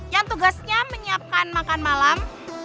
yang tugasnya menyiapkan makan malam